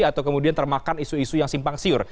atau kemudian termakan isu isu yang simpang siur